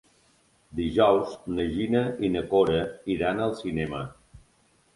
Dijous na Gina i na Cora iran al cinema.